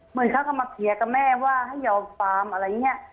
เหมือนเขาก็มาเพียกกับแม่ว่าให้เอาฟาร์มอะไรอย่างเนี่ย